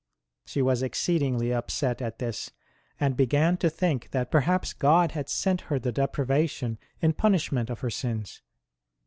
She was exceedingly upset at this, and began to think that perhaps God had sent her the deprivation in punishment of her sins.